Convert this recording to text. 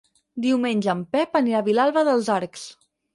Diumenge en Pep anirà a Vilalba dels Arcs.